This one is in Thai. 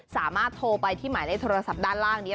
สามารถโทรไปที่หมายเลขโทรศัพท์ด้านล่างนี้